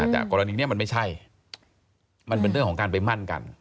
แต่กรณีนี้มันไม่ใช่มันเป็นเรื่องของการไปมั่นกัน